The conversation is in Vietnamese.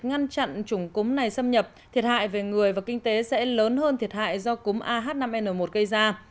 khăn chặn chủng cúm này xâm nhập thiệt hại về người và kinh tế sẽ lớn hơn thiệt hại do cúm a h năm n một gây ra